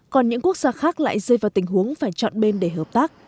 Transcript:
còn những quốc gia khác lại rơi vào tình huống phải chọn bên để hợp tác